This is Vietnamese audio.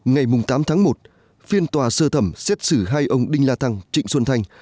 ngày tám tháng một phiên tòa sơ thẩm xét xử hai ông đinh la thăng trịnh xuân thanh